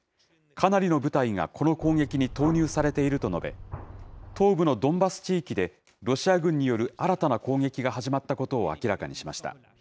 かなりの部隊がこの攻撃に投入されていると述べ、東部のドンバス地域でロシア軍による新たな攻撃が始まったことを明らかにしました。